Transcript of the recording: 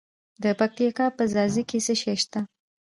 د پکتیا په ځاځي کې څه شی شته؟